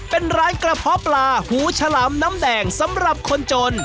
เป็นร้านกระเพาะปลาหูฉลามน้ำแดงสำหรับคนจน